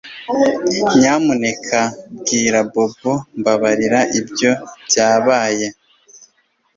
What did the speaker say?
Nyamuneka bwira Bobo Mbabarira ibyo byabaye